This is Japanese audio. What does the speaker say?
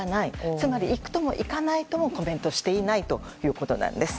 つまり、行くとも行かないともコメントしていないということなんです。